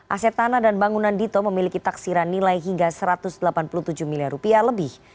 aset tanah dan bangunan dito memiliki taksiran nilai hingga satu ratus delapan puluh tujuh miliar rupiah lebih